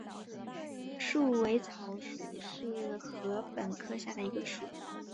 束尾草属是禾本科下的一个属。